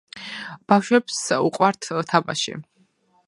ბავშვებს უყვართ თამაში